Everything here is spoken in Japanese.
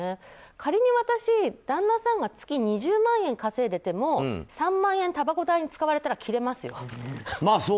仮に私、旦那さんが月２０万円稼いでいても３万円たばこ代に使われたらキレますよ。